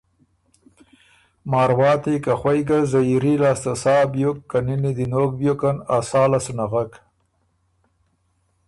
مارواتی که خوئ ګه زئیري لاسته سا بیوک که نِنی دی نوک بیوکن ا ساه له سو نغک